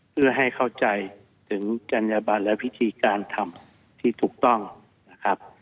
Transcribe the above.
เพื่อให้เข้าใจถึงจัญญบันและวิธีการทำที่ถูกต้องนะครับ